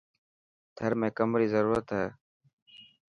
ٿر ۾ ڪم ري ضرورت هي.